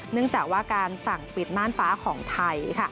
เนื่องจากว่าการสั่งปิดน่านฟ้าของไทย